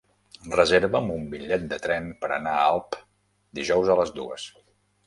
Reserva'm un bitllet de tren per anar a Alp dijous a les dues.